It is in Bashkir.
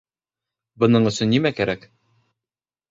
Бының өсөн нимә кәрәк?